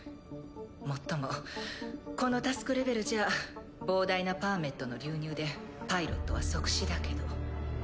もっともこのタスクレベルじゃ膨大なパーメットの流入でパイロットは即死だけど。